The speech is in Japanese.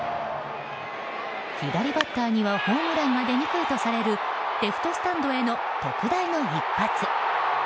左バッターにはホームランが出にくいとされるレフトスタンドへの特大の一発。